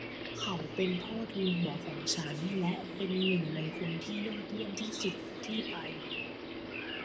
เขาเป็นพ่อทูนหัวของฉัน และเป็นหนึ่งในคนที่ยอดเยี่ยมที่สุดที่ไป